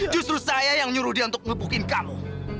justru saya yang nyuruh dia untuk ngebukin kamu